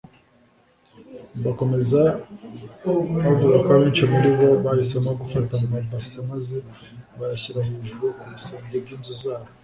Bakomeza bavuga ko abenshi muri bo bahisemo gufata amabase maze bayashyira hejuru ku bisenge by’inzu zabo